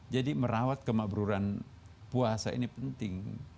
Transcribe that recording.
jadi merawat kemaburan puasa ini penting